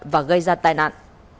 và gây ra tai nạn